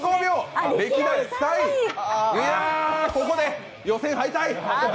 ここで予選敗退！